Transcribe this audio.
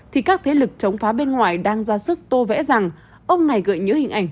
thì các thế lực chống phá bên ngoài đang ra sức tô vẽ rằng ông này gợi nhớ hình ảnh